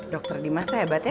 dokter dimas tuh hebat ya